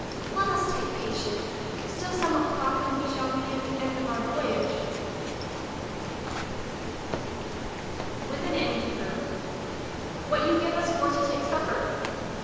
Let us take patience, still some o'clock, and we shall be in the end of our voyage. 38 English as she is spoke. IVith a inn keeper. What you give us for to take supper.